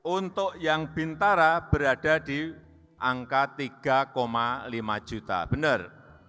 untuk yang bintara berada di angka tiga lima juta benar